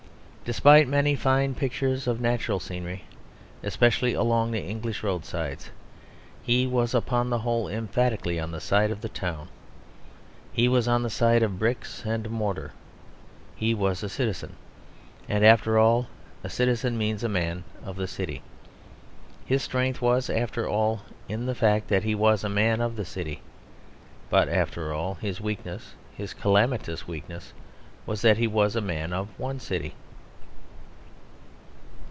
Despite many fine pictures of natural scenery, especially along the English roadsides, he was upon the whole emphatically on the side of the town. He was on the side of bricks and mortar. He was a citizen; and, after all, a citizen means a man of the city. His strength was, after all, in the fact that he was a man of the city. But, after all, his weakness, his calamitous weakness, was that he was a man of one city.